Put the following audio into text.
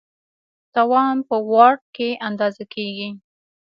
توان په واټ کې اندازه کېږي.